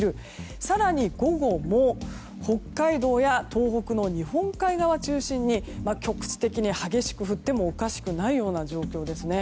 更に午後も北海道や東北の日本海側を中心に局地的に激しく降ってもおかしくないような状況です。